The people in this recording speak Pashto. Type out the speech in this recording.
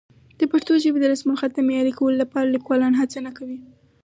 د پښتو ژبې د رسمالخط د معیاري کولو لپاره لیکوالان هڅه نه کوي.